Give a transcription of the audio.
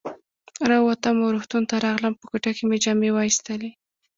را ووتم او روغتون ته راغلم، په کوټه کې مې جامې وایستلې.